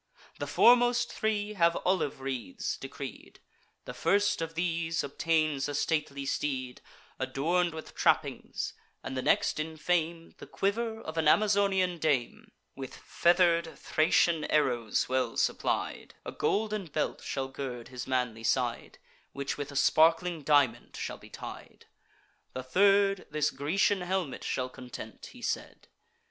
The foremost three have olive wreaths decreed: The first of these obtains a stately steed, Adorn'd with trappings; and the next in fame, The quiver of an Amazonian dame, With feather'd Thracian arrows well supplied: A golden belt shall gird his manly side, Which with a sparkling diamond shall be tied. The third this Grecian helmet shall content." He said.